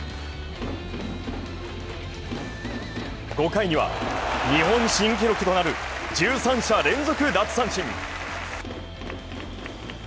５回には、日本新記録となる１３者連続奪三振。